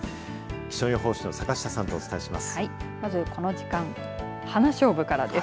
気象予報士の坂下さんとお伝えします。